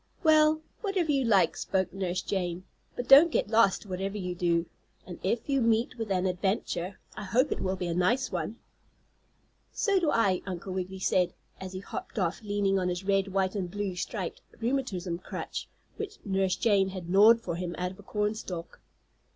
"Well, whatever you like," spoke Nurse Jane. "But don't get lost, whatever you do, and if you meet with an adventure I hope it will be a nice one." "So do I," Uncle Wiggily said, as he hopped off, leaning on his red, white and blue stripped [Transcriber's note: striped?] rheumatism crutch which Nurse Jane had gnawed for him out of a cornstalk.